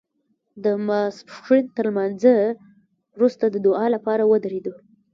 د ماسپښین تر لمانځه وروسته د دعا لپاره ودرېدو.